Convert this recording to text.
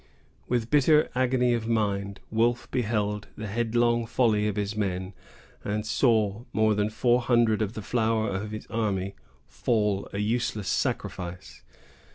With bitter agony of mind, Wolfe beheld the headlong folly of his men, and saw more than four hundred of the flower of his army fall a useless sacrifice.